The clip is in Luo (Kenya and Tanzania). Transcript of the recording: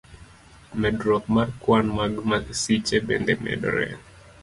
Medruok mar kwan mag masiche bende medore.